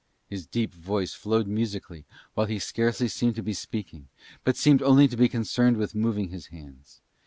His deep voice flowed musically while he scarcely seemed to be speaking but seemed only to be concerned with moving his hands.